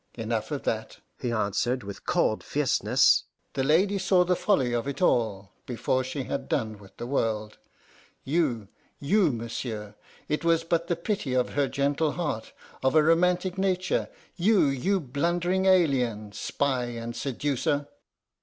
"Enough of that," he answered with cold fierceness. "The lady saw the folly of it all, before she had done with the world. You you, monsieur! It was but the pity of her gentle heart, of a romantic nature. You you blundering alien, spy, and seducer!"